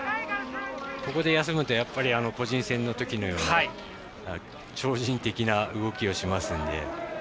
ここで休むと個人戦のときのような超人的な動きをしますんで。